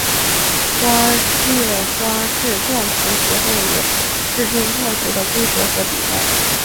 世界花式撞球协会也制定撞球的规则和比赛。